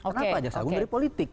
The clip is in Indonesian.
kenapa jaksa agung dari politik